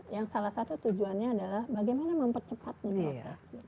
yang salah satu tujuannya adalah bagaimana mempercepat memproses